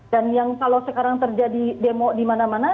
dan yang kalau sekarang terjadi demo di mana mana